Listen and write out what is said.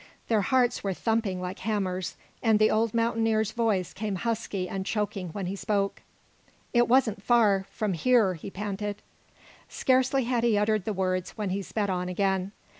Their hearts were thumping like hammers, and the old mountaineer's voice came husky and choking when he spoke. "It wasn't far from here!" he panted. Scarcely had he uttered the words when he sped on again.